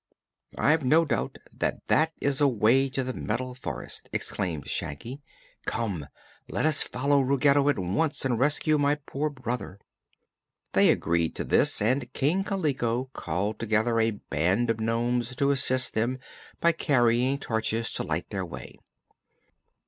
"I've no doubt that that is a way to the Metal Forest," exclaimed Shaggy. "Come, let us follow Ruggedo at once and rescue my poor brother!" They agreed to this and King Kaliko called together a band of nomes to assist them by carrying torches to light their way.